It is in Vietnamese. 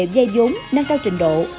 giai giống nâng cao trình độ